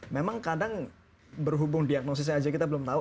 memang kadang berhubung diagnosisnya aja kita belum tahu